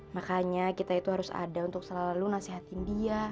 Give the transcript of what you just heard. makanya kita itu harus ada untuk selalu nasihatin dia